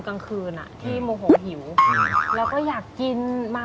เธอโมโหหิวบ่อยไหม